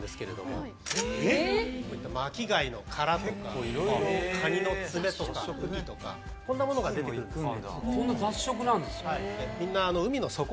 巻き貝の殻とかカニの爪とかウニとかこんなものが出て来るんですね。